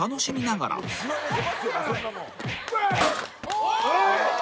おい！